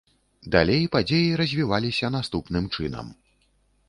Далей падзеі развіваліся наступным чынам.